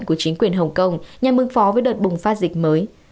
của chính quyền hồng kông nhằm ứng phó với đợt bùng phát dịch mới